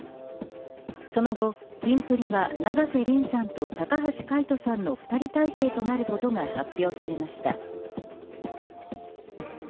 その後、キンプリは永瀬廉さんと高橋海人さんの２人体制となることが発表されました。